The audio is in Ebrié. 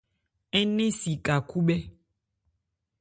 Ń nɛn si n ka khúbhɛ́.